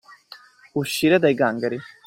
Uscire dai gangheri.